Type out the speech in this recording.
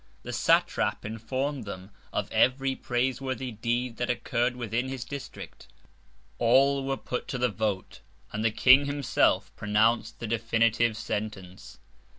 The Satrap inform'd them of every praise worthy Deed that occurr'd within his District. All were put to the Vote, and the King himself pronounc'd the Definitive Sentence.